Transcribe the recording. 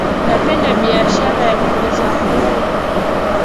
Napenda biashara ya kuuza nguo